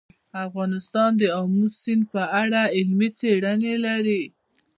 افغانستان د آمو سیند په اړه علمي څېړنې لري.